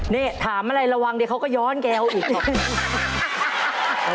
นี่ถามอะไรระวังเดี๋ยวเขาก็ย้อนแกเอาอีก